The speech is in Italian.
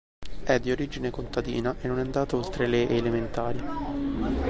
È di origine contadina e non è andato oltre le elementari.